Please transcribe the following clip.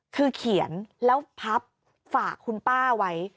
คือเขียนแล้วพับฝากคุณป้าไว้